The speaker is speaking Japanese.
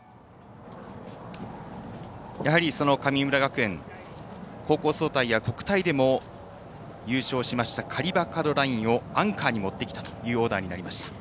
やはり、神村学園高校総体や国体でも優勝しましたカリバ・カロラインをアンカーに持ってきたというオーダーになりました。